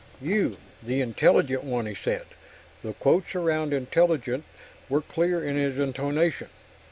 "You the 'intelligent' one," he said. The quotes around 'intelligent' were clear in his intonation.